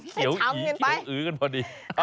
เขียวอีกเขียวอื้อกันพอดี